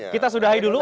kita sudahi dulu